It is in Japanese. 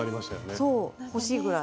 そう欲しいぐらい。